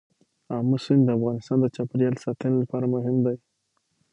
آمو سیند د افغانستان د چاپیریال ساتنې لپاره مهم دی.